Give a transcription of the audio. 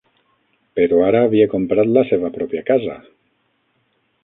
Però ara havia comprat la seva pròpia casa.